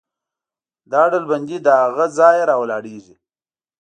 دا ډلبندي له هغه ځایه راولاړېږي.